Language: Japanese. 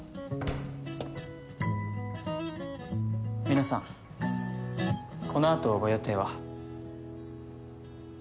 皆さんこのあとご予定は？